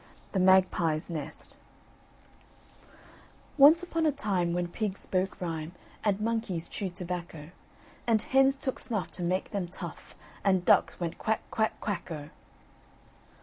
THE MAGPIE'S NEST Once upon a time when pigs spoke rhyme And monkeys chewed tobacco, And hens took snuff to make them tough, And ducks went quack, quack, quack, O!